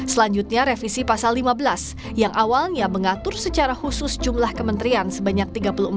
selanjutnya revisi pasal lima belas yang awalnya mengatur secara khusus jumlah kementerian sebanyak tiga puluh empat